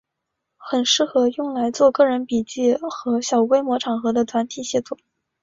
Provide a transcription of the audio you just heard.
很适合用来做个人笔记和小规模场合的团体写作。